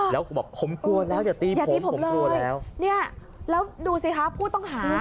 แล้วบอกผมกลัวแล้วอย่าตีแบบนี้ผมเลยกลัวแล้วเนี่ยแล้วดูสิคะผู้ต้องหา